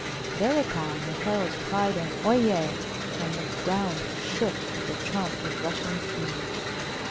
Thereupon the Heraulds cryed an Oyez! and the grownd shoke with the trompe of rushynge stedes.